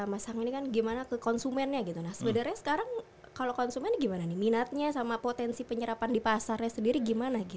masang ini kan gimana ke konsumennya gitu mas reda sekarang kalau konsumen gimana nih minatnya sama potensi penyerapan di pasarnya sendiri bagaimana ke rashid